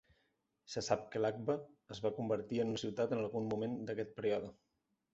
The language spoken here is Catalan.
Se sap que Lakhva es va convertir en una ciutat en algun moment d'aquest període.